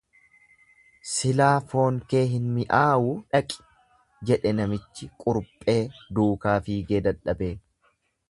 """silaa foon kee hin mi'aawuu dhaqi"" jedhe namichi quruphee duukaa fiigee dadhabee."